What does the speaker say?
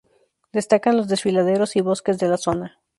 Destacan los desfiladeros y bosques de la zona.